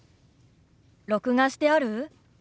録画してある？